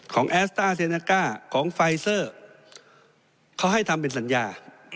แอสต้าเซเนอร์ก้าของไฟเซอร์เขาให้ทำเป็นสัญญา